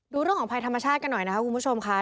ดูเรื่องของภัยธรรมชาติกันหน่อยนะคะคุณผู้ชมค่ะ